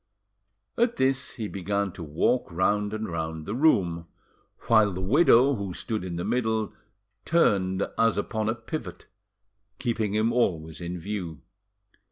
At this he began to walk round and round the room, while the widow, who stood in the middle, turned as upon a pivot, keeping him always in view.